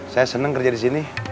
saya senang kerja di sini